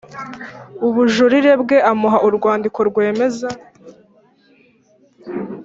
ubujurire bwe Amuha urwandiko rwemeza